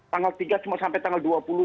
tanggal tiga cuma sampai tanggal dua puluh